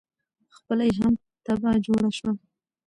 خپله یې هم تبعه جوړه شوه.